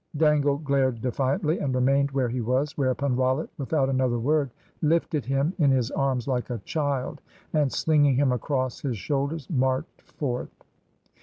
Dangle glared defiantly, and remained where he was, whereupon Rollitt, without another word, lifted him in his arms like a child, and slinging him across his shoulders marched forth.